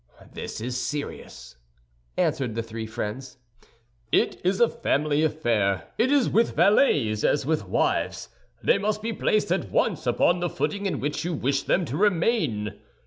"This is serious," answered the three friends; "it is a family affair. It is with valets as with wives, they must be placed at once upon the footing in which you wish them to remain.